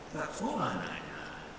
tapi tak salah anaknya